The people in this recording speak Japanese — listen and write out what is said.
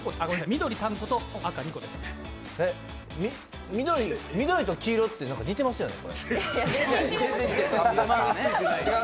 緑と黄色って似てますよね。